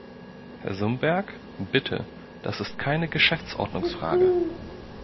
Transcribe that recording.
Herr Sumberg, bitte, das ist keine Geschäftsordnungsfrage.